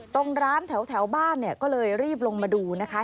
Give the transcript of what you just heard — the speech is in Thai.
ตรงร้านแถวบ้านเนี่ยก็เลยรีบลงมาดูนะคะ